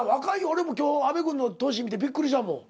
俺も今日阿部君の年見てびっくりしたもん。